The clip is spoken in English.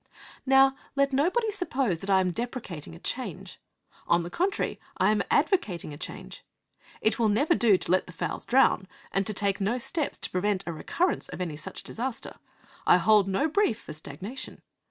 Now let nobody suppose that I am deprecating a change. On the contrary, I am advocating a change. It will never do to let the fowls drown, and to take no steps to prevent a recurrence of any such disaster. I hold no brief for stagnation.